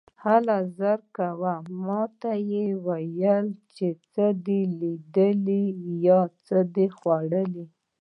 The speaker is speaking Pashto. هله ژر کوه، ما ته یې ووایه، څه دې لیدلي یا څه دې خوړلي.